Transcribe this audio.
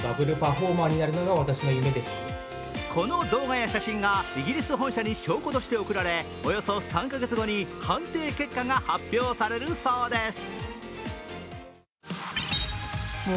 この動画や写真がイギリス本社に証拠として送られおよそ３か月後に判定結果が発表されるそうです。